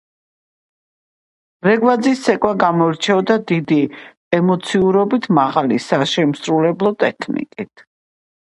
ბრეგვაძის ცეკვა გამოირჩეოდა დიდი ემოციურობით, მაღალი საშემსრულებლო ტექნიკით.